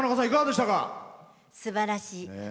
すばらしい。